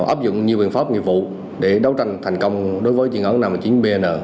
áp dụng nhiều biện pháp nghiệp vụ để đấu tranh thành công đối với chuyên án năm mươi chín bn